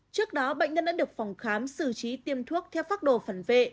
trước đó bệnh nhân đã được phòng khám xử trí tiêm thuốc theo phác đồ phản vệ